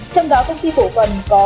trong đó công ty phổ quần có